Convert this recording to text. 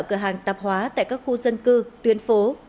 cửa hàng tạp hóa tại các khu dân cư tuyến phố